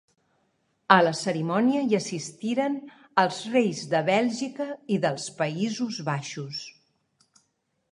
A la cerimònia hi assistiren els reis de Bèlgica i dels Països Baixos.